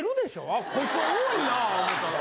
あこいつは多いな思ったら。